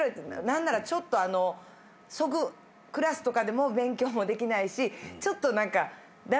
何ならちょっとクラスとかでも勉強もできないしちょっと何か駄目な子が勇気。